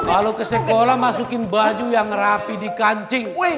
kalau ke sekolah masukin baju yang rapi di kancing